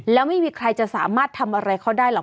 แล้วไม่มีใครจะสามารถทำอะไรเขาได้หรอก